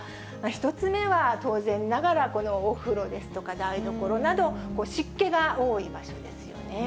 １つ目は当然ながら、このお風呂ですとか台所など、湿気が多い場所ですよね。